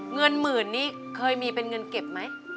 เงินหมื่นนี่เคยมีเป็นเงินเก็บไหม